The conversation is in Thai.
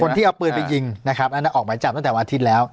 ที่เอาปืนไปยิงนะครับอันนั้นออกหมายจับตั้งแต่วันอาทิตย์แล้ว